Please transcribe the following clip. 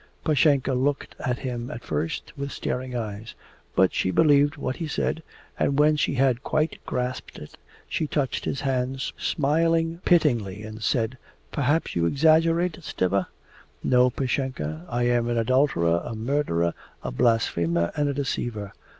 Pashenka looked at him at first with staring eyes. But she believed what he said, and when she had quite grasped it she touched his hand, smiling pityingly, and said: 'Perhaps you exaggerate, Stiva?' 'No, Pashenka. I am an adulterer, a murderer, a blasphemer, and a deceiver.